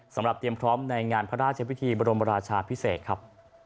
เตรียมพร้อมในงานพระราชพิธีบรมราชาพิเศษครับ